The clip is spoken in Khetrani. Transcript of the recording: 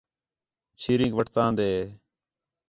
چھیریک وٹھتان٘دے